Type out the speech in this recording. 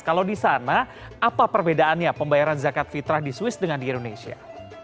kalau di sana apa perbedaannya pembayaran zakat fitrah di swiss dengan di indonesia